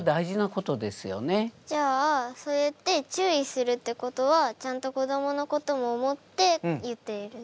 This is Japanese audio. じゃあそうやって注意するってことはちゃんと子どものことも思って言っている？